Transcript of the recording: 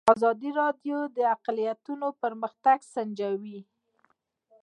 ازادي راډیو د اقلیتونه پرمختګ سنجولی.